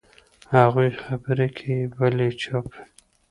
هغوی خبرې کوي، بل یې چوپ وي.